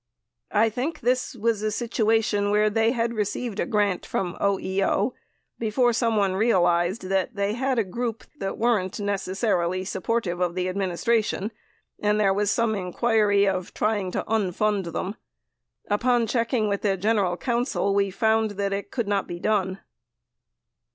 I think this was a situation where they had re ceived a grant from OEO and before someone realized that they had a group that weren't necessarily supportive of the administration and there was some inquiry of trying to un fund them. Upon checking with their general counsel we found that it could not be done.